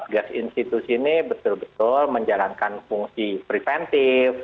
tugas institusi ini betul betul menjalankan fungsi preventif